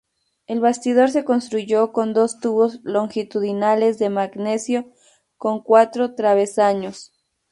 El bastidor se construyó con dos tubos longitudinales de magnesio con cuatro travesaños.